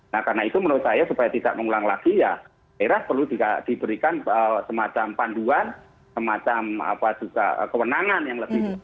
nah karena itu menurut saya supaya tidak mengulang lagi ya daerah perlu diberikan semacam panduan semacam apa juga kewenangan yang lebih